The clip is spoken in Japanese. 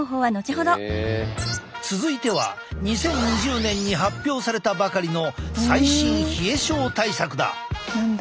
続いては２０２０年に発表されたばかりの最新冷え症対策だ。